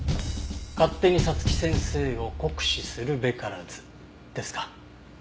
勝手に早月先生を酷使するべからずですか？